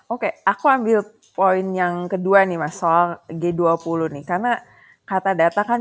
oke aku ambil poin yang kedua nih mas soal g dua puluh nih karena kata data kan